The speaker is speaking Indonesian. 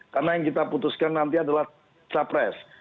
karena yang kita putuskan nanti adalah capres